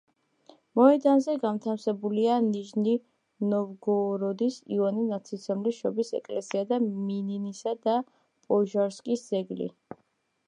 მოედანზე განთავსებულია ნიჟნი-ნოვგოროდის იოანე ნათლისმცემლის შობის ეკლესია და მინინისა და პოჟარსკის ძეგლი.